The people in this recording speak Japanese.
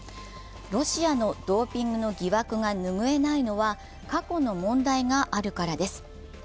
ロシアのドーピングの疑惑が拭えないのは過去の問題があるからです。